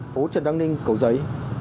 phố trần đăng ninh cầu giấy